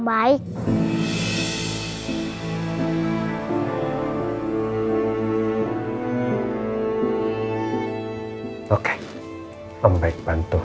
aku gak mau